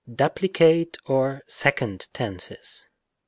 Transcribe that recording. §75. Duplicate or "second" tenses."